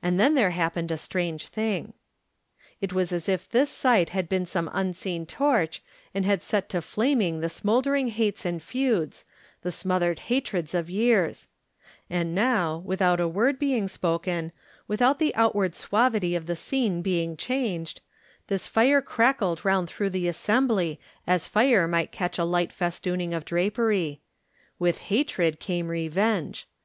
And then there happened a strange thing. 23 Digitized by Google THE NINTH MAN It was as if this sight had been some unseen torch and had set to flaming the smoldering hates and feuds, the smothered hatreds of years; and now, without a word being spoken, without the outward suavity of the scene being changed, this fire crackled round through the assembly as fire might catch a light festooning of drapery. With hatred came revenge.